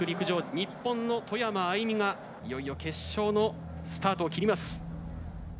日本の外山愛美が、いよいよ決勝のスタートを切ります。